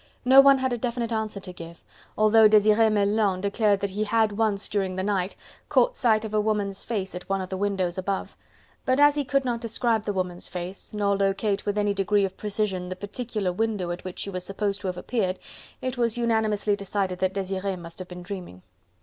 No one had a definite answer to give, although Desire Melun declared that he had, once during the night, caught sight of a woman's face at one of the windows above: but as he could not describe the woman's face, nor locate with any degree of precision the particular window at which she was supposed to have appeared, it was unanimously decided that Desire must have been dreaming.